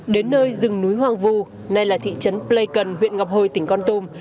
đến nơi rừng núi hoàng vu nay là thị trấn pleikon huyện ngọc hồi tỉnh con tùm